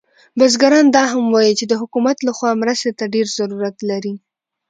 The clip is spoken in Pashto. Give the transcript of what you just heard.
بزګران دا هم وایي چې د حکومت له خوا مرستې ته ډیر ضرورت لري